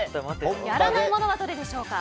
やらないものはどれでしょうか？